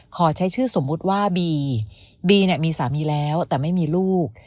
ขอใช้ชื่อสมมุติว่าบีบีเนี่ยมีสามีแล้วแต่ไม่มีลูก